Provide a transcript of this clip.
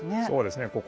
そうですね